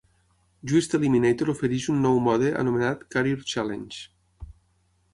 Juiced Eliminator ofereix un nou mode anomenat Career Challenge.